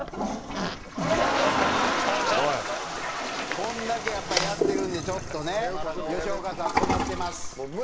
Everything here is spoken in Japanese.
こんだけやっぱやってるんでちょっとね吉岡さん困ってます。